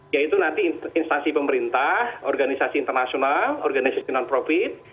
yaitu nanti instansi pemerintah organisasi internasional organisasi non profit